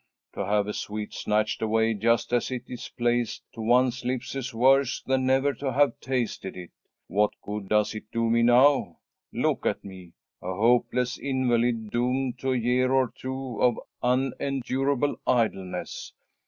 To have a sweet snatched away just as it is placed to one's lips is worse than never to have tasted it. What good does it do me now? Look at me, a hopeless invalid, doomed to a year or two of unendurable idleness.